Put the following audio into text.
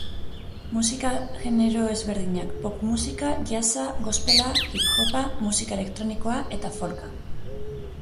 Musika genero ezberdinak: Pop musika, jazza, gospela, hip hopa, musika elektronikoa eta folka.